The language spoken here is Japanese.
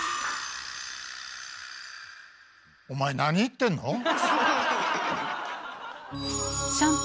お前なに言ってんの？